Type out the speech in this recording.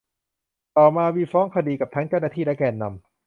ต่อมามีฟ้องคดีกับทั้งเจ้าหน้าที่และแกนนำ